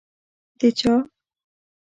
د چا؟